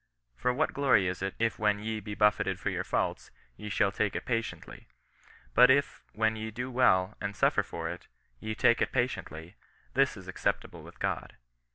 For what glory is 4t, if when ye be buffeted for your faults, ye shall take it patiently ? But if, when ye do well, and suffer for it, ye take it patiently, this is acceptable with God.